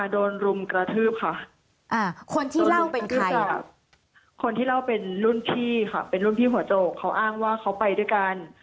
รุมกระทืบค่ะคนที่เล่าเป็นคือจากคนที่เล่าเป็นรุ่นพี่ค่ะเป็นรุ่นพี่หัวโจกเขาอ้างว่าเขาไปด้วยกัน